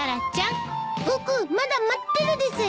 僕まだ待ってるですよ？